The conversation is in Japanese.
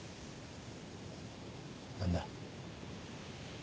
何だ？